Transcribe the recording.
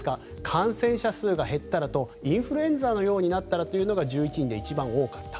感染者数が減ったらとインフルエンザのようになったらというのが１１人で一番多かった。